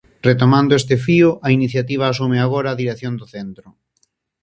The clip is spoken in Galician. Retomando este fío, a iniciativa asúmea agora a dirección do centro.